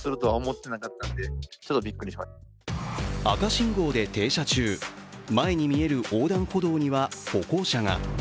赤信号で停車中、前に見える横断歩道には歩行者が。